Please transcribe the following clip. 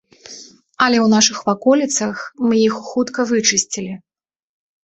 Але ў нашых ваколіцах мы іх хутка вычысцілі.